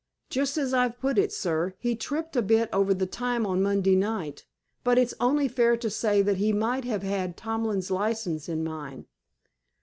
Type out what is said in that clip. "Just as I've put it, sir. He tripped a bit over the time on Monday night. But it's only fair to say that he might have had Tomlin's license in mind."